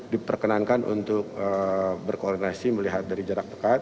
diperkenankan untuk berkoordinasi melihat dari jarak dekat